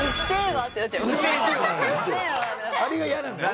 あれがやなんだね。